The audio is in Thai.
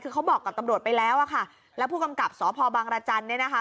คือเขาบอกกับตำรวจไปแล้วอะค่ะแล้วผู้กำกับสพบังรจันทร์เนี่ยนะคะ